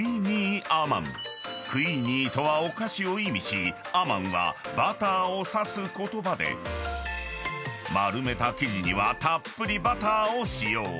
［クイニーとはお菓子を意味しアマンはバターを指す言葉で丸めた生地にはたっぷりバターを使用］